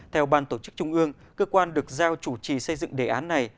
theo ban tổ chức trung ương cơ quan được giao chủ trì xây dựng đề án này